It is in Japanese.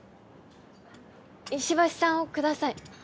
「石橋さんをください」